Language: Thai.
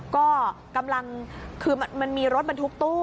ก็กำลังคือมันมีรถบรรทุกตู้